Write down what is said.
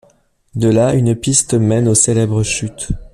De là, une piste mène aux célèbres chutes.